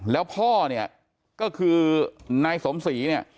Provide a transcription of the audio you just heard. แล้วพ่อก็คือนายสมศรี